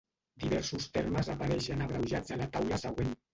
Diversos termes apareixen abreujats a la taula següent.